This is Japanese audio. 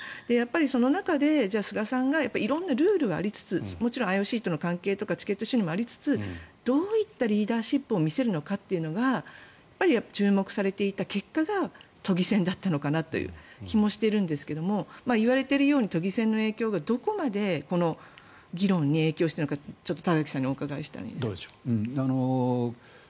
その中で菅さんが色んなルールがありつつもちろんＩＯＣとの関係とかチケット収入もありつつどういったリーダーシップを見せるのかというのが注目されていた結果が都議選だったのかなという気もしているんですけどいわれているように都議選の影響がどこまで議論に影響するのかちょっと田崎さんにお伺いしたいんですが。